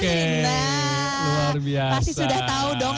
nah pasti sudah tahu dong